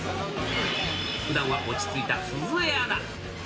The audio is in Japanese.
ふだんは落ち着いた鈴江アナ。